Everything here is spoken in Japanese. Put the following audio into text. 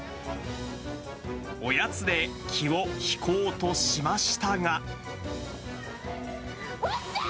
おやつで気を引こうとしましたが。